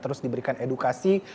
terus diberikan edukasi